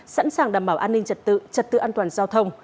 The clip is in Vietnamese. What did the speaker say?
sẵn sàng đảm bảo an ninh trật tự trật tự an toàn giao thông